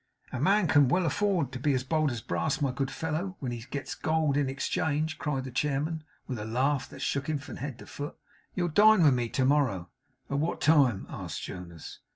'A man can well afford to be as bold as brass, my good fellow, when he gets gold in exchange!' cried the chairman, with a laugh that shook him from head to foot. 'You'll dine with me to morrow?' 'At what time?' asked Jonas.